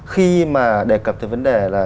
khi mà đề cập về vấn đề là